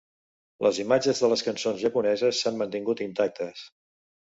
Les imatges de les cançons japoneses s'han mantingut intactes.